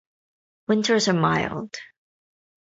Winters are mild.